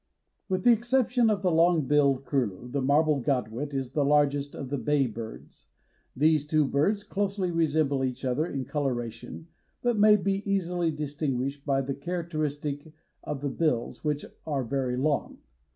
With the exception of the long billed curlew the Marbled Godwit is the largest of the "Bay Birds." These two birds closely resemble each other in coloration, but may be easily distinguished by the characteristics of the bills, which are very long.